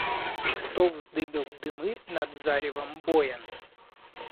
Кто вздыбил дымы над заревом боен?